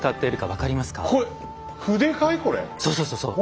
そうそうそうそう。